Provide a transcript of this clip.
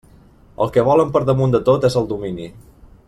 El que volen per damunt de tot és el domini.